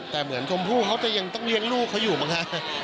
แต่เหมือนชมพู่เขาจะยังต้องเลี้ยงลูกเขาอยู่มั้งคะ